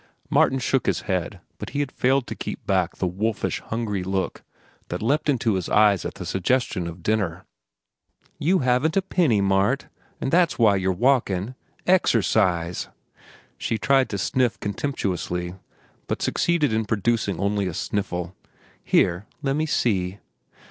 Martin shook his head, but he had failed to keep back the wolfish, hungry look that leapt into his eyes at the suggestion of dinner. "You haven't a penny, Mart, and that's why you're walkin'. Exercise!" She tried to sniff contemptuously, but succeeded in producing only a sniffle. "Here, lemme see."